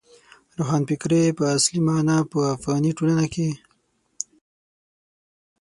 روښانفکرۍ په اصلي مانا په افغاني ټولنه کې.